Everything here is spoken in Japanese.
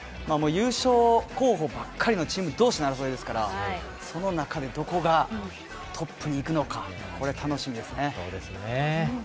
優勝候補ばっかりのチーム同士の争いですからその中でどこがトップにいくのかこれは楽しみですね。